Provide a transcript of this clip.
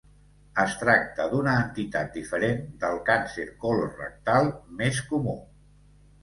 Es tracta d'una entitat diferent del càncer colorectal, més comú.